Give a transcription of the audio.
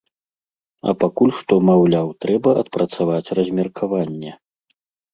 А пакуль што, маўляў, трэба адпрацаваць размеркаванне.